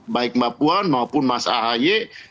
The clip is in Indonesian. baik mbak puan maupun mas ahy